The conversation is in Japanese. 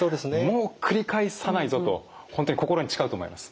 もう繰り返さないぞと本当に心に誓うと思います。